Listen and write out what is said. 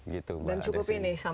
dan cukup ini